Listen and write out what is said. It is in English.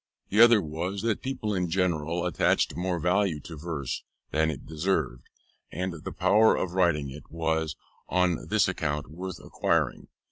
The other was, that people in general attached more value to verse than it deserved, and the power of writing it, was, on this account, worth acquiring.